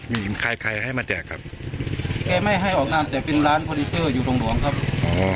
มีใครใครให้มาแจกครับแกไม่ให้ออกงานแต่เป็นร้านพอดิเตอร์อยู่ตรงหลวงครับ